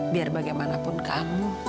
biar bagaimanapun kamu